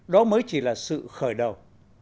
đó mới chỉ là sự khởi đầu